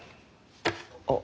あっ。